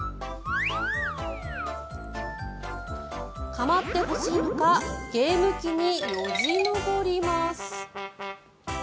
構ってほしいのかゲーム機によじ登ります。